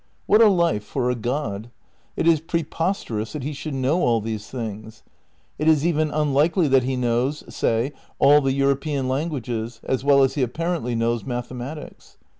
What a life for a XI RECONSTEUCTION OF IDEALISM 303 God 1 It is preposterous that he should know all these things. It is even unlikely that he knows, say, all the European languages as well as he apparently knows mathematics.